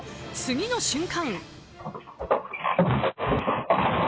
次の瞬間。